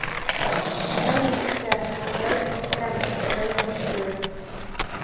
Шундай нескә, шундай күркәм, шундай көслө.